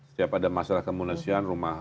siap ada masalah kemanusiaan rumah